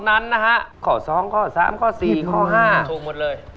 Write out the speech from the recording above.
นอกนั้นข้อสองข้อสามข้อสี่ข้อห้าถูกหมดเลย